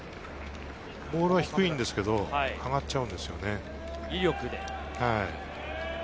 ボールは低いんですけど上がっちゃうんですよね。